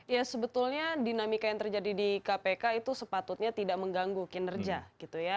ya sebetulnya dinamika yang terjadi di kpk itu sepatutnya tidak mengganggu kinerja gitu ya